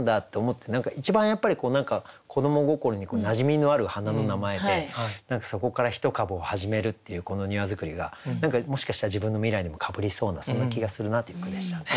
一番やっぱり何か子ども心になじみのある花の名前で何かそこから一株を始めるっていうこの「庭造り」が何かもしかしたら自分の未来にもかぶりそうなそんな気がするなっていう句でしたね。